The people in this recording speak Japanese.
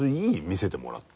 見せてもらって。